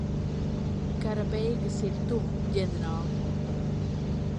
Kara beigas ir tuvu, ģenerāl.